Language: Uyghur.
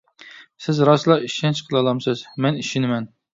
-سىز راسلا ئىشەنچ قىلالامسىز؟ -مەن ئىشىنىمەن.